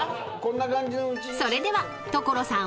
［それでは所さん